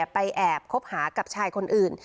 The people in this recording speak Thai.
ไปแอบคบหากับชายคนอื่น